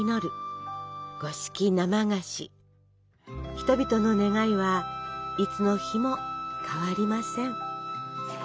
人々の願いはいつの日も変わりません。